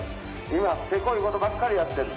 今、せこいことばっかりやってる。